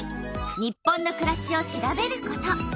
「日本のくらし」を調べること。